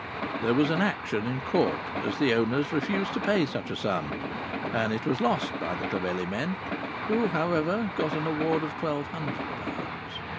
There was an action in court, as the owners refused to pay such a sum; and it was lost by the Clovelly men, who however got an award of twelve hundred pounds.